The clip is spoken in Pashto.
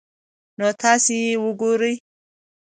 نو تاسي ئې وګورئ